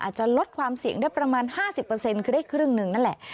อาจจะลดความเสี่ยงได้ประมาณ๕๐คือได้ครึ่งหนึ่งนั่นแหละ